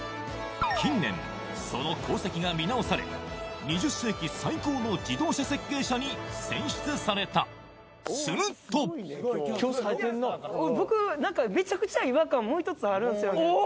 近年その功績が見直され２０世紀最高の自動車設計者に選出されたすると今日さえてんな僕何かあるんすよね